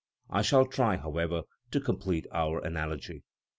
I shall try, however, to complete our analogy.